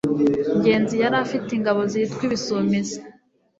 ngenzi yari afite ingabo zitwa “Ibisumizi”